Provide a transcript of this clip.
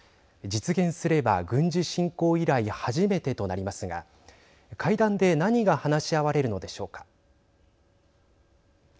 実現すれば軍事侵攻以来初めてとなりますが会談で何が話し合われるのでしょうか。